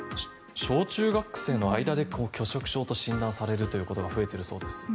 小中学生の間で拒食症と診断されることが増えているそうです。